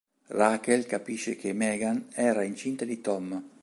Rachel capisce che Megan era incinta di Tom.